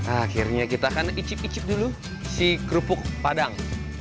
akhirnya kita akan icip icip dulu si kerupuk padang